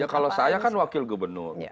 kalau saya kan wakil gubernur